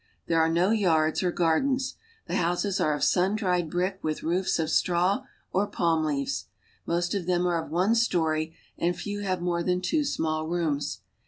There are no yards or [ardens. The houses are of sun dried brick with roofs of traw or palm leaves. Most of them are of one story, and V have more than two small rooms.